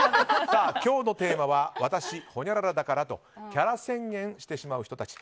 今日のテーマは私ほにゃららだからとキャラ宣言してしまう人たち。